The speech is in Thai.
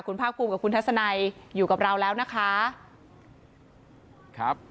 คุณภาคกลุมและคุณทัศนัยอยู่กับเราแล้วนะคะ